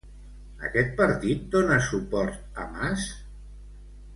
Aquest partit dona suport a Mas?